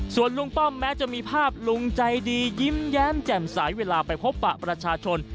ส่วนลุงป้อมแม้จะมีภาพลุงใจดียิ้มแย้มแจ่มใสเวลาไปพบปะประชาชน